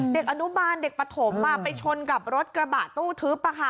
เด็กอนุบาลเด็กปฐมไปชนกับรถกระบะตู้ทึบ